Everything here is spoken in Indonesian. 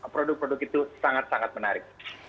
produk produk itu sangat sangat menarik